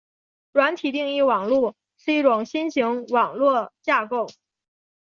软体定义网路是一种新型网络架构。